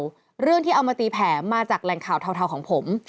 เรื่องที่เอามาตีแผลมาจากแหล่งข่าวเทาของผม